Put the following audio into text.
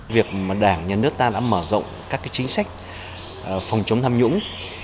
việc mà đảng nhà nước ta đã mở rộng các chính sách phòng chống tham nhũng